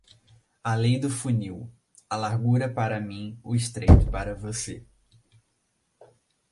A lei do funil: a largura para mim, o estreito para você.